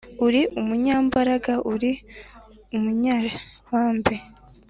Uri umunyambaraga uri umunyebambe;